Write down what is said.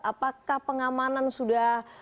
apakah pengamanan sudah